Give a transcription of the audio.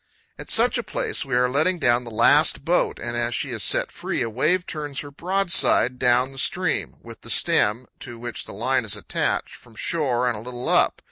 At such a place we are letting down the last boat, and as she is set free a wave turns her broadside down the stream, with the stem, to which the line is attached, from shore and a little up.